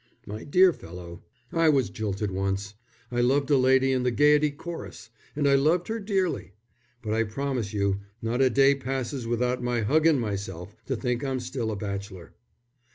My dear fellow, I was jilted once. I loved a lady in the Gaiety chorus, and I loved her dearly. But I promise you, not a day passes without my huggin' myself to think I'm still a bachelor."